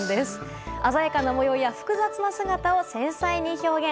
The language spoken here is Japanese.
鮮やかな模様や複雑な姿を繊細に表現。